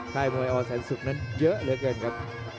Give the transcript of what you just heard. ค่ายมวยอแสนสุขนั้นเยอะเหลือเกินครับ